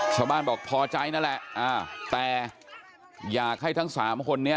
ชาวบ้านบอกพอใจนั่นแหละแต่อยากให้ทั้งสามคนนี้